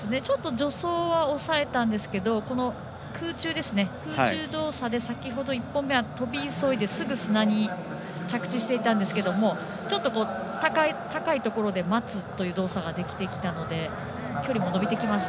助走は抑えたんですが空中動作で先ほど１本目は跳び急いですぐ砂に着地していたんですが高いところで待つという動作ができてきたので距離も伸びてきました。